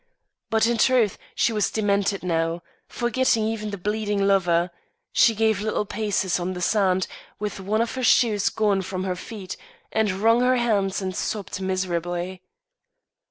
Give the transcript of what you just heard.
But in truth she was demented now, forgetting even the bleeding lover. She gave little paces on the sand, with one of her shoes gone from her feet, and wrung her hands and sobbed miserably.